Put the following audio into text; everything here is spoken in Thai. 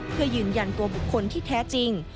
เพื่อยืนยันตัวบุคคลที่แท้จริง